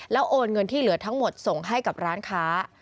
โอนเงินที่เหลือทั้งหมดส่งให้กับร้านค้า